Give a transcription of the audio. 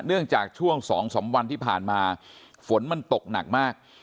เนื่องจากช่วงสองสามวันที่ผ่านมาฝนมันตกหนักมาก